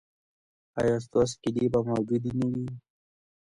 ایا ستاسو کیلي به موجوده نه وي؟